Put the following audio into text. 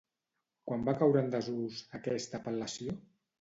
Quan va caure en desús, aquesta apel·lació?